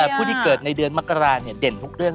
ผู้ที่เกิดในเดือนมกราเด่นทุกเรื่อง